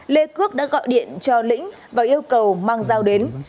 lê cước đã gọi điện cho lĩnh và yêu cầu mang giao đến